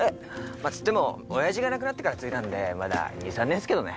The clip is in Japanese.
まあつっても親父が亡くなってから継いだんでまだ２３年っすけどね。